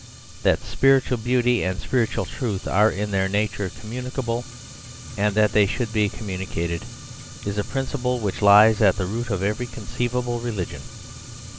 That spiritual beauty and spiritual truth are in their nature communicable, and that they should be communicated, is a principle which lies at the root of every conceivable religion.